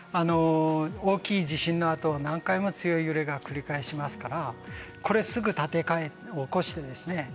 大きい地震のあと何回も強い揺れが繰り返しますからこれすぐ立て起こしてですね